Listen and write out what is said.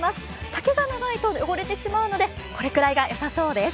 丈が長いと汚れてしまうのでこれぐらいが良さそうです。